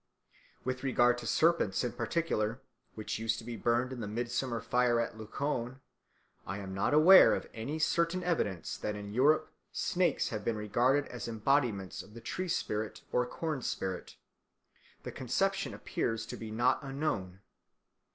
With regard to serpents in particular, which used to be burnt in the midsummer fire at Luchon, I am not aware of any certain evidence that in Europe snakes have been regarded as embodiments of the tree spirit or corn spirit, though in other parts of the world the conception appears to be not unknown.